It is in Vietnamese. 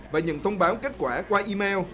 và nhận thông báo kết quả qua email